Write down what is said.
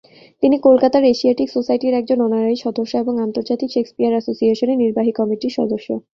তিনি কলকাতার এশিয়াটিক সোসাইটির একজন অনারারি সদস্য এবং আন্তর্জাতিক শেক্সপিয়ার অ্যাসোসিয়েশনের নির্বাহী কমিটির সদস্য।